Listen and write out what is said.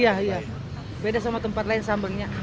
iya iya beda sama tempat lain sambalnya